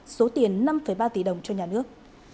số tiền năm ba tỷ đồng cho nhà nước